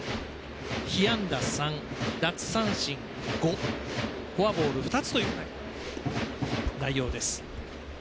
被安打３、奪三振５フォアボール２つという内容です。